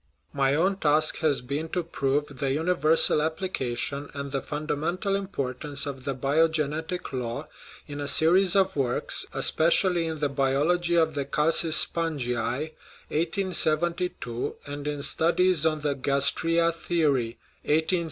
My own task has been to prove the universal application and the fundamental importance of the biogenetic law in a series of works, especially in the Biology of the Calcispongiae (1872), and in Studies on the Gastraea Theory (1873 1884).